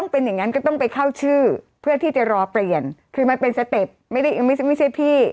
เพื่อที่จะรอเปลี่ยนคือมาเป็นสเต็ปไม่ใช่พี่